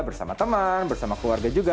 bersama teman bersama keluarga juga